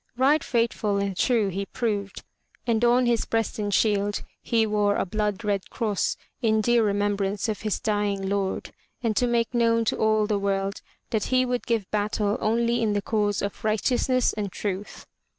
Right faithful and true he proved, and on his breast and shield he wore a blood red cross in dear remembrance of his dying Lord and to make known to all the world that he would give battle only in the cause of righteousness and truth.